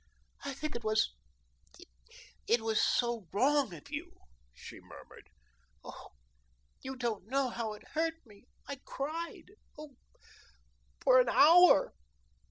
"I think it was it was so wrong of you," she murmured. "Oh! you don't know how it hurt me. I cried oh, for an hour."